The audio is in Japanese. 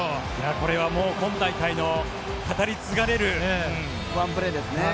これは今大会の語り継がれるプレー。